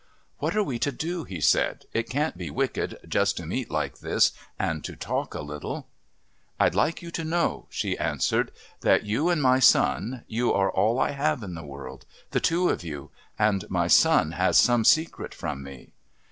"What are we to do?" he said. "It can't be wicked just to meet like this and to talk a little." "I'd like you to know," she answered, "that you and my son you are all I have in the world. The two of you. And my son has some secret from me.